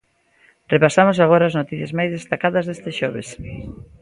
Repasamos agora as noticias máis destacadas deste xoves.